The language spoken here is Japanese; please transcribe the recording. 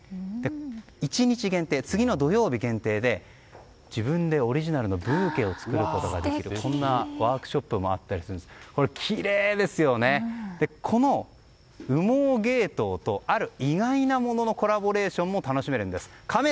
１日限定、次の土曜日限定でオリジナルのブーケを作ることができてそんなワークショップもあるんですがこの羽毛ゲイトウとある意外なもののコラボレーションも楽しめます。